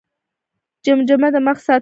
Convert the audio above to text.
جمجمه د مغز ساتنه کوي